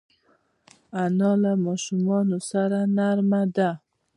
انا له ماشومانو سره نرمه ده